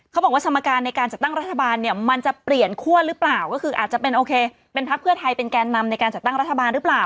บอกว่าสมการในการจัดตั้งรัฐบาลเนี่ยมันจะเปลี่ยนคั่วหรือเปล่าก็คืออาจจะเป็นโอเคเป็นพักเพื่อไทยเป็นแกนนำในการจัดตั้งรัฐบาลหรือเปล่า